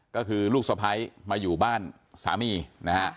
ก็คือลูกสะพ้ายมาอยู่บ้านสามีนะฮะ